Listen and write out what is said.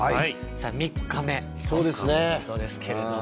さあ３日目ということですけれども。